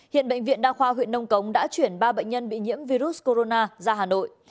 hiện bệnh viện đa khoa huyện nông cống đã chuyển ba bệnh nhân bị nhiễm virus corona ra hà nội